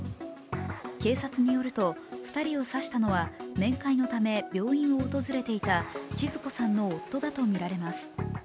警察によると２人を刺したのは面会のため病院を訪れていたちづ子さんの夫だとみられます。